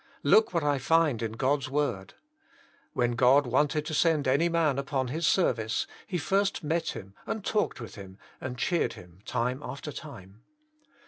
Look what I find in God's Word. When God wanted to send any man upon His service, He first met him and talked Jesus Himself, 49 with him and cheeferd him time after time.